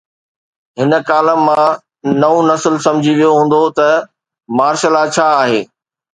هن ڪالم مان نئون نسل سمجهي ويو هوندو ته مارشل لا ڇا آهي.